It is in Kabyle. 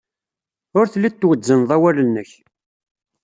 Ur telliḍ twezzneḍ awal-nnek.